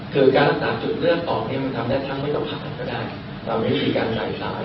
คือการรักษาจุดเลือดออกเนี่ยมันทำได้ทั้งไม่ต้องผ่านก็ได้เรามีวิธีการไหลตาย